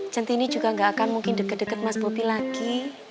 centini juga gak akan mungkin deket deket mas bobi lagi